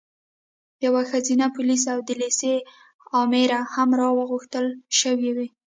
یوه ښځینه پولیسه او د لېسې امره هم راغوښتل شوې وه.